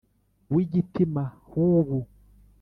W'igitima hubu